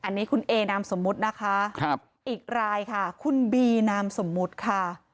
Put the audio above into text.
อันนี้คุณเอนามสมมุตินะคะอีกรายค่ะคุณบีนามสมมุติค่ะ